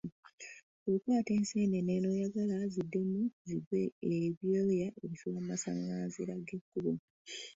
Bw'okwata enseenene n'oyagala ziddemu zigwe ebyoya obisuula mu masanganzira g'ekkubo.